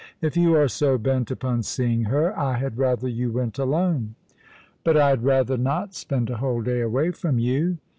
" If you are so bent upon seeing her I had rather you went alone." " But I had rather not spend a whole day away from you.